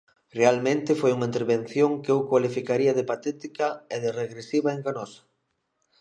Realmente, foi unha intervención que eu cualificaría de patética e de regresiva e enganosa.